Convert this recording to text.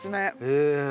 へえ。